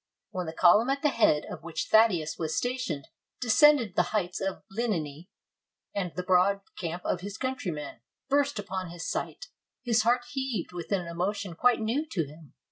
When the column at the head of which Thaddeus was stationed descended the heights of Lininy, and the broad camp of his countrymen burst upon his sight, his heart heaved with an emotion quite new to him.